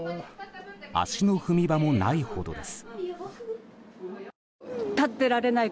足の踏み場もないほどです。